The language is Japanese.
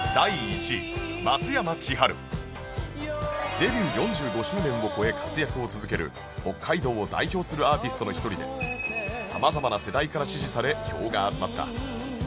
デビュー４５周年を超え活躍を続ける北海道を代表するアーティストの１人で様々な世代から支持され票が集まった